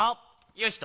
よしと！